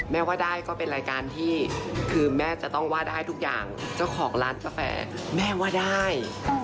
ว่าได้ก็เป็นรายการที่คือแม่จะต้องว่าได้ทุกอย่างเจ้าของร้านกาแฟแม่ว่าได้